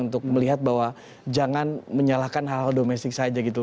untuk melihat bahwa jangan menyalahkan hal hal domestik saja gitu